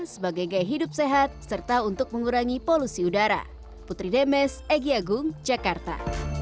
sebagai gaya hidup sehat serta untuk mengurangi polusi udara